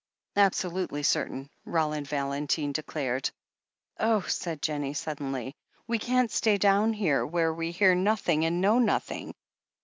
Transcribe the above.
"Absolutely certain," Roland Valentine declared. "Oh," said Jennie suddenly, "we can't stay down here, where we hear nothing and know nothing.